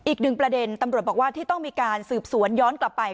อีกหนึ่งประเด็นตำรวจบอกว่าที่ต้องมีการสืบสวนย้อนกลับไป